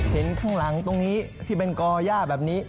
เห็นข้างหลังตรงนี้ที่เป็นก่อย่าแบบนี้